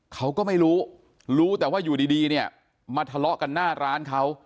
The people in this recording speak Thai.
เขาก็ไม่รู้รู้รู้แต่ว่าอยู่ดีเนี่ยมาทะเลาะกันหน้าร้านเขา